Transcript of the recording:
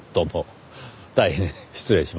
大変失礼しました。